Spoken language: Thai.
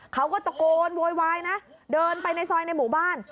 เขาก็ตะโกนโวยวายนะเดินไปในซอยในหมู่บ้าน